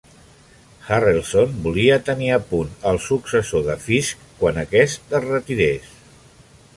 Harrelson volia tenir a punt el successor de Fisk quan aquest es retirés.